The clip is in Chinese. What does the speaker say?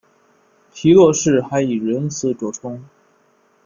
皮洛士还以仁慈着称。